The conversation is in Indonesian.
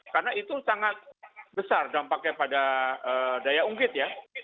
karena itu sangat besar dampaknya pada daya ungkit ya